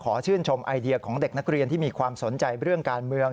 ชื่นชมไอเดียของเด็กนักเรียนที่มีความสนใจเรื่องการเมือง